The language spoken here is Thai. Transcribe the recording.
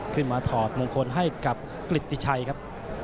ขึ้นมาถอดมงคลให้กับกฤษฎิชัยครับ